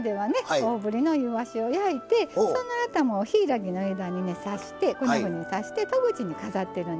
大ぶりのいわしを焼いてその頭をヒイラギの枝にね刺してこんなふうに刺して戸口に飾ってるんですよ。